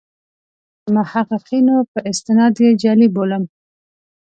چې د محققینو په استناد یې جعلي بولم.